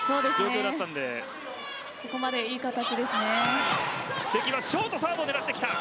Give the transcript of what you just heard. ここまでいい形ですね。